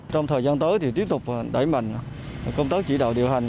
trong thời gian tới thì tiếp tục đẩy mạnh công tác chỉ đạo điều hành